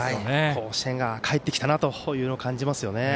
甲子園が帰ってきたなといろいろ感じますね。